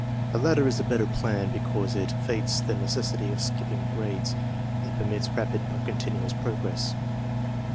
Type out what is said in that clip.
The latter is the better plan, because it obviates the necessity of skipping grades; it permits rapid but continuous progress.